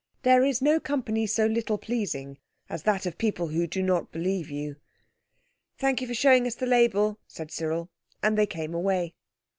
There is no company so little pleasing as that of people who do not believe you. "Thank you for showing us the label," said Cyril. And they came away.